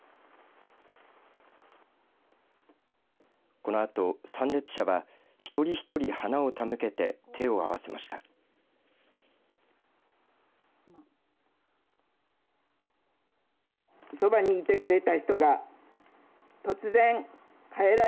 このあと、参列者はひとりひとり花を手向けて手を合わせました。